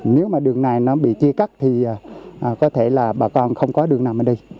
nếu mà đường này nó bị chia cắt thì có thể là bà con không có đường nào mình đi